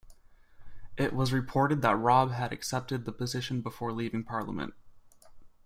It was reported that Robb had accepted the position before leaving Parliament.